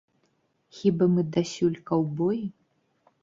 Хіба мы дасюль каўбоі?